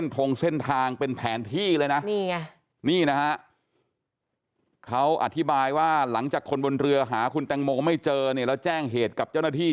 เขาอธิบายว่าหลังจากคนบนเรือหาคุณแต่งโมไม่เจอแล้วแจ้งเหตุกับเจ้าหน้าที่